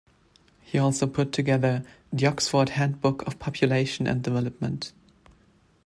He also put together "The Oxford Handbook of Population and Development".